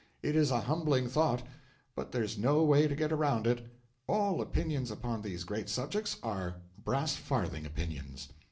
It is a humbling thought, but there is no way to get around it: all opinions upon these great subjects are brass farthing opinions.